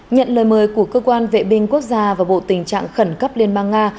nhận lời mời của cơ quan vệ binh quốc gia và bộ tình trạng khẩn cấp liên bang nga